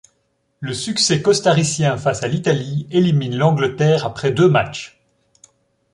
Le succès costaricien face à l'Italie élimine l'Angleterre après deux matchs.